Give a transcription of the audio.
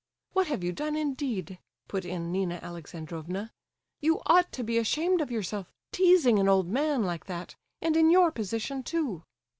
"What have you done, indeed?" put in Nina Alexandrovna. "You ought to be ashamed of yourself, teasing an old man like that—and in your position, too."